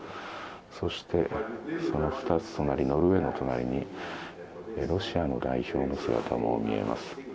そして、その２つ隣ノルウェーの隣にロシアの外相の姿も見えます。